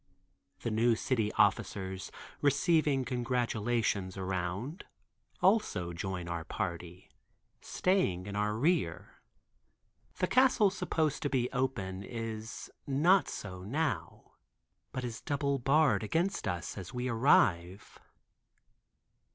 The new city officers, receiving congratulations around, also join our party, staying in our rear. The castle supposed to be open is not so now, but is double barred inside against us, as we arrive.